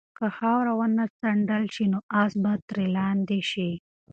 که خاوره ونه څنډل شي نو آس به ترې لاندې شي.